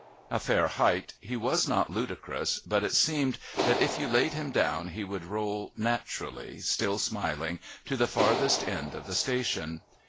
A fair height, he was not ludicrous, but it seemed that if you laid him down he would roll naturally, still smiling, to the farthest end of the station.